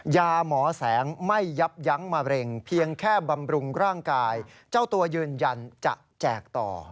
ยาหมอแสงไม่ยับยั้งมะเร็งเพียงแค่บำรุงร่างกายเจ้าตัวยืนยันจะแจกต่อ